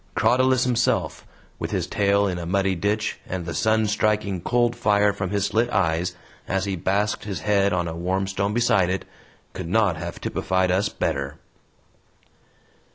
Crotalus himself, with his tail in a muddy ditch, and the sun striking cold fire from his slit eyes as he basked his head on a warm stone beside it, could not have typified us better.